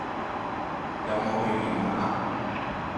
有冇去驗下？